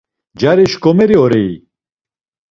Cari şǩomeri orei?